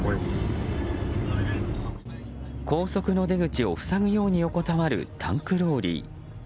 高速の出口を塞ぐように横たわるタンクローリー。